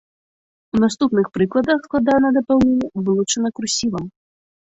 У наступных прыкладах складанае дапаўненне вылучана курсівам.